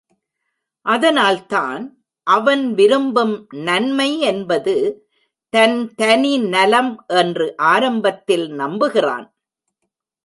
அதனால் தான் அவன் விரும்பும் நன்மை என்பது தன் தனி நலம் என்று ஆரம்பத்தில் நம்புகிறான்.